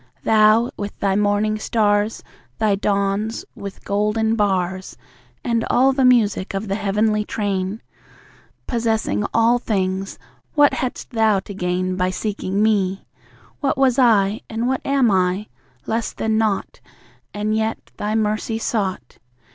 Thou, with Thy morning stars, Thy dawns, with golden bars, And all the music of the heavenly train. Possessing all things, what hadst Thou to gain By seeking me? What was I? ... and, what am I? ... less than nought. And yet Thy mercy sought.